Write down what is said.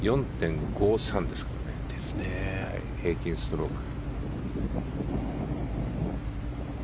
４．５３ですからね平均ストローク。